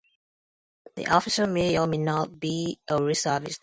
The officer may or may not be a reservist.